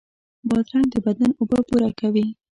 بادرنګ د بدن اوبه پوره کوي.